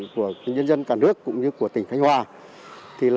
của nhân dân cả nước cũng như của tỉnh khánh hòa